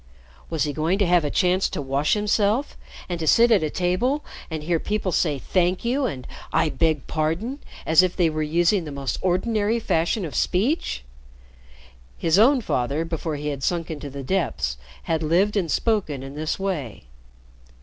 Was he going to have a chance to wash himself and to sit at a table and hear people say "Thank you," and "I beg pardon," as if they were using the most ordinary fashion of speech? His own father, before he had sunk into the depths, had lived and spoken in this way.